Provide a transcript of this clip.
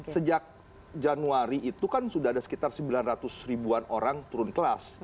sejak januari itu kan sudah ada sekitar sembilan ratus ribuan orang turun kelas